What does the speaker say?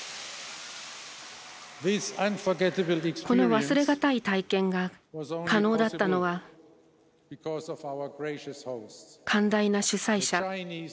この忘れがたい体験が可能だったのは寛大な主催者